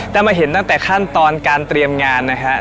จะมาเห็นตั้งแต่ขั้นตอนการเตรียมงานนะฮะ